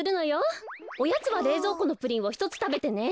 おやつはれいぞうこのプリンをひとつたべてね。